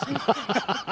ハハハハ。